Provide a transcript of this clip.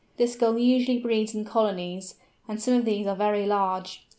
This Gull usually breeds in colonies, and some of these are very large.